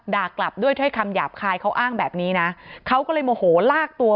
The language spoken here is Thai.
กลับด้วยถ้อยคำหยาบคายเขาอ้างแบบนี้นะเขาก็เลยโมโหลากตัว